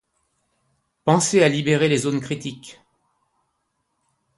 pensez à libérer les zones critiques.